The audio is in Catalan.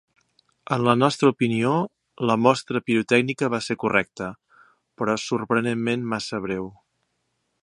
En la nostra opinió, la mostra pirotècnica va ser correcta, però sorprenentment massa breu.